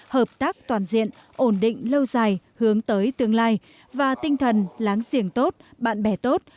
hợp tác toàn diện ổn định lâu dài hướng tới tương lai và tinh thần láng giềng tốt bạn bè tốt